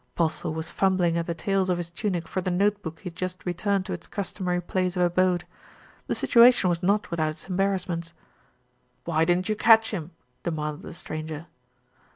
Postle was fumbling at the tails of his tunic for the notebook he had just returned to its customary place of abode. The situation was not without its embarrassments. "Why didn't you catch him?" demanded the stranger.